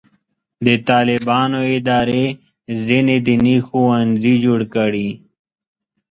د طالبانو ادارې ځینې دیني ښوونځي جوړ کړي.